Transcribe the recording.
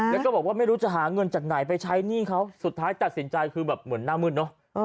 แล้วก็บอกว่าไม่รู้จะหาเงินจากไหนไปใช้หนี้เขาสุดท้ายตัดสินใจคือแบบเหมือนหน้ามืดเนอะ